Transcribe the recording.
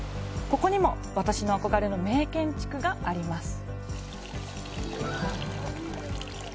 ここにも私の憧れの名建築があります。